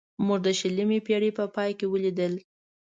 موږ د شلمې پېړۍ په پای کې ولیدل.